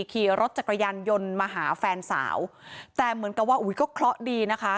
ขี่รถจักรยานยนต์มาหาแฟนสาวแต่เหมือนกับว่าอุ้ยก็เคราะห์ดีนะคะ